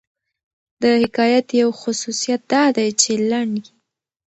د حکایت یو خصوصیت دا دئ، چي لنډ يي.